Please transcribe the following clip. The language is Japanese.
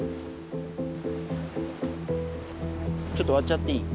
ちょっとわっちゃっていい？